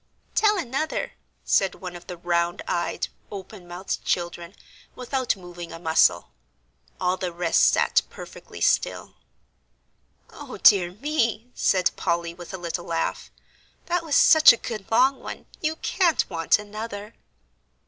"Tell another," said one of the round eyed, open mouthed children, without moving a muscle. All the rest sat perfectly still. "O dear me," said Polly, with a little laugh, "that was such a good long one, you can't want another."